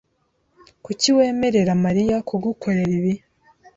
Kuki wemerera Mariya kugukorera ibi?